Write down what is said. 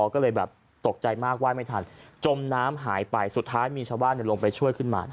ก็เลยแบบตกใจมากว่ายไม่ทันจมน้ำหายไปสุดท้ายมีชาวบ้านลงไปช่วยขึ้นมา